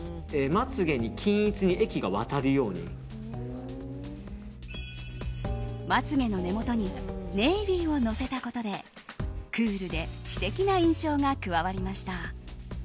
まつ毛に均一にまつ毛の根元にネイビーをのせたことでクールで知的な印象が加わりました。